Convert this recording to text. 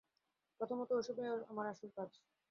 প্রথমত, ওসবই আমার আসল কাজ।